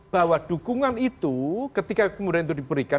bahwa dukungan itu ketika kemudian itu diberikan